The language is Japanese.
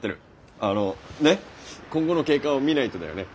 あの今後の経過を見ないとだよね。